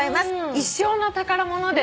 「一生の宝物です」